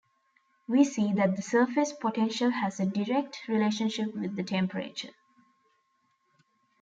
We see that the surface potential has a direct relationship with the temperature.